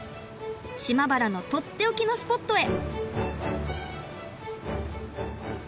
島原のとっておきのスポットへ。